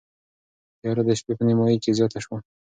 تیاره د شپې په نیمايي کې زیاته شوه.